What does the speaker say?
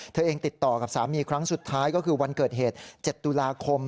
เธอเองติดต่อกับสามีครั้งสุดท้ายก็คือวันเกิดเหตุ๗ตุลาคม